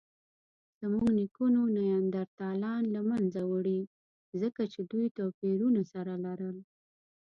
زموږ نیکونو نیاندرتالان له منځه وړي؛ ځکه چې دوی توپیرونه سره لرل.